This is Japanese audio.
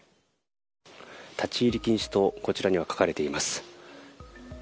立ち入り禁止とこちらには書かれています。